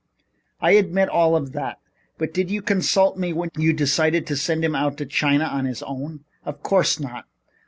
"I admit all of that. But did you consult me when you decided to send him out to China on his own?" "Of course not.